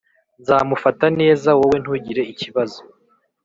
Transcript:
Nzamufata neza wowe ntugire ikibazo